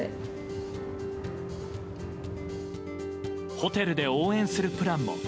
ホテルで応援するプランも。